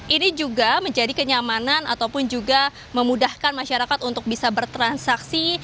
ini juga menjadi kenyamanan ataupun juga memudahkan masyarakat untuk bisa bertransaksi